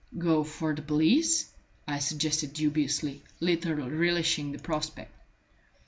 "Go for the police," I suggested dubiously, little relishing the prospect.